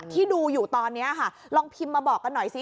ที่ดูอยู่ตอนนี้ค่ะลองพิมพ์มาบอกกันหน่อยสิ